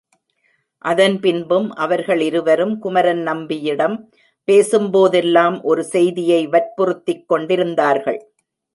அதன் பின்பும் அவர்கள் இருவரும் குமரன் நம்பியிடம் பேசும்போதெல்லாம் ஒரு செய்தியை வற்புறுத்திக் கொண்டிருந்தார்கள்.